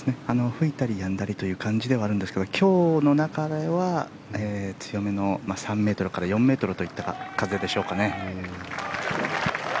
吹いたりやんだりという感じではあるんですが今日の中では強めの３ｍから４ｍといった風でしょうかね。